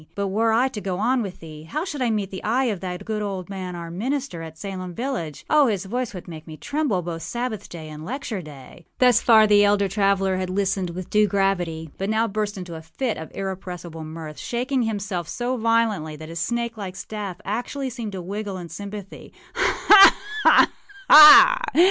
But, were I to go on with thee, how should I meet the eye of that good old man, our minister, at Salem village? Oh, his voice would make me tremble both Sabbath day and lecture day.â Thus far the elder traveller had listened with due gravity; but now burst into a fit of irrepressible mirth, shaking himself so violently that his snake like staff actually seemed to wriggle in sympathy. âHa! ha! ha!